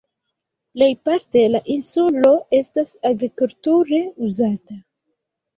Plejparte la insulo estas agrikulture uzata.